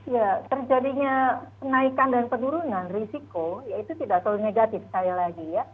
ya terjadinya penaikan dan penurunan risiko ya itu tidak terlalu negatif sekali lagi ya